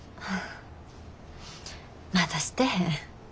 まだしてへん。